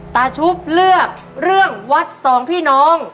ชุบเลือกเรื่องวัดสองพี่น้อง